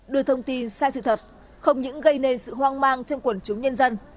đưa thông tin sai sự thật không những gây nên sự hoang mang trong quần chúng nhân dân